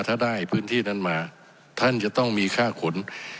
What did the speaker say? ถ้าได้พื้นที่นั้นมาท่านจะต้องมีค่าขน